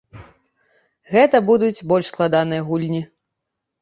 Гэта будуць больш складаныя гульні.